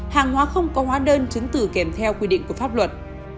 hàng hóa không có hóa đơn chứng tử kèm theo quy định của pháp luật